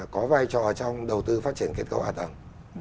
có vai trò trong đầu tư phát triển kết cấu hạ tầng